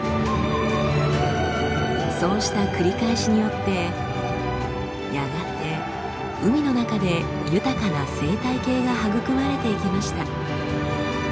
そうした繰り返しによってやがて海の中で豊かな生態系が育まれていきました。